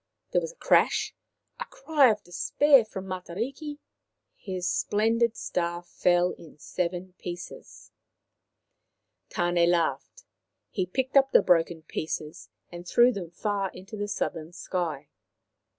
There was a crash, a cry of despair from Matariki. His splendid star fell in seven pieces. Tane laughed. He picked up the broken pieces and threw them far into the southern sky.